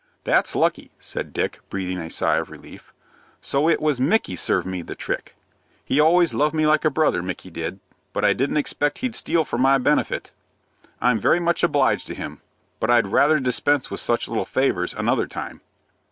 "That's lucky," said Dick, breathing a sigh of relief. "So it was Micky that served me the trick. He always loved me like a brother, Micky did, but I didn't expect he'd steal for my benefit. I'm very much obliged to him, but I'd rather dispense with such little favors another time."